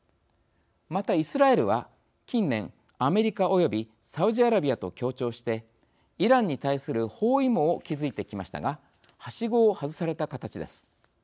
また、イスラエルは近年、アメリカ、およびサウジアラビアと協調してイランに対する包囲網を築いてきましたがはしごを外された形です。